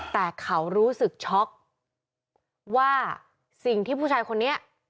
แต่เขารู้สึกช็อกว่าสิ่งที่ผู้ชายคนนี้